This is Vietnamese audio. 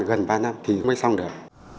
gần ba năm thì mới xong được